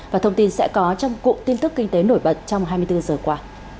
và thông tin sẽ có trong cụm tin tức kinh tế nổi bật trong hai mươi bốn giờ qua